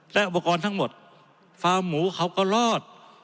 และอุปกรณ์ทั้งหมดฟาร์มหมูเขาก็รอด